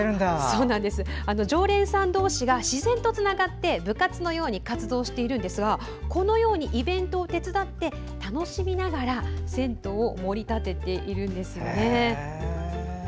常連さん同士が自然とつながって部活のように活動しているんですがこのように、イベントを手伝って楽しみながら銭湯を盛り立てているんですよね。